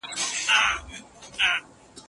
آیا ته خپل کورنی کار د انټرنیټ په مرسته کوې؟